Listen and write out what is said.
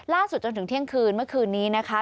จนถึงเที่ยงคืนเมื่อคืนนี้นะคะ